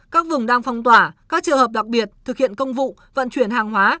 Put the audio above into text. các vùng đang phong tỏa các trường hợp đặc biệt thực hiện công vụ vận chuyển hàng hóa